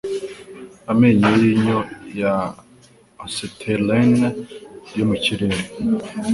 Amenyo yinyo ya acetylene yo mu kirere;